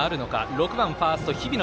６番ファースト、日比野。